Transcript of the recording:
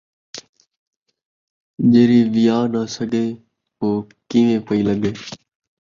جیڑھی ویا ناں سڳے ، او کیوں پئی لڳے